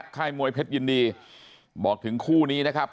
ค่ายมวยเพชรยินดีบอกถึงคู่นี้นะครับ